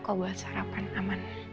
ke buat sarapan aman